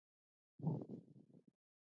هلته د انسان اساسي اړتیاوې مهمې دي.